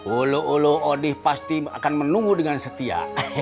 ulu ulu odi pasti akan menunggu dengan setia